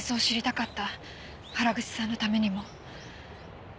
原口さんのためにも。